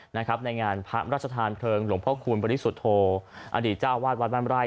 ในงานพระราชทานเพลิงหลวงพ่อคูณบริสุทธโธอดีตเจ้าวาดวัดบ้านไร่